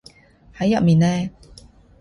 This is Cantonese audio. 喺入面嘞